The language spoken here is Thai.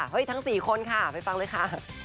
ทั้ง๔คนค่ะไปฟังเลยค่ะ